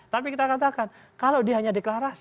tapi kita katakan kalau dia hanya deklarasi